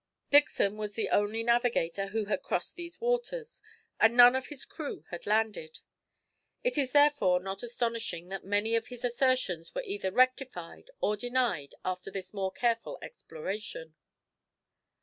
Dixon was the only navigator who had crossed these waters, and none of his crew had landed. It is therefore not astonishing that many of his assertions were either rectified or denied after this more careful exploration.